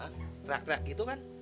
teriak teriak gitu kan